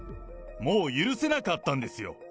もう許せなかったんですよ。